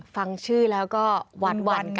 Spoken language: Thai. ฟังชื่อแล้วก็หวานกัน